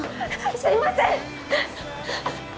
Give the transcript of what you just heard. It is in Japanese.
すいません！